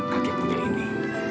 kakek punya ini